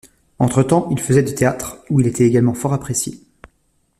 Entre temps, il faisait du théâtre, où il était également fort apprécié.